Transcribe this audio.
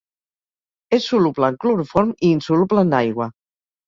És soluble en cloroform i insoluble en aigua.